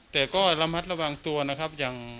แต่ก็ระมัดระวังตัวนะครับ